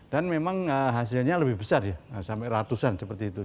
dan memang hasilnya lebih besar ya sampai ratusan seperti itu